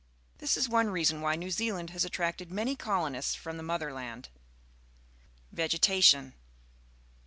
This is one reason why New Zealand has attracted many colonists from the Motherland. Vegetation.